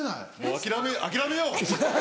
諦めよう！